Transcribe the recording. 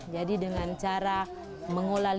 jadi dengan cara mengolah limbahnya